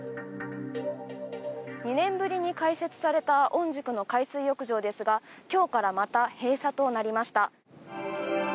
２年ぶりに開設された御宿の海水浴場ですが今日からまた閉鎖となりました。